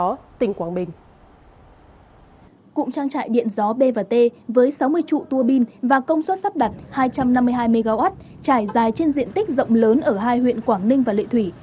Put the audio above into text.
cụm trang trại điện gió b t với sáu mươi trụ tua bin và công suất sắp đặt hai trăm năm mươi hai mw trải dài trên diện tích rộng lớn ở hai huyện quảng ninh và lệ thủy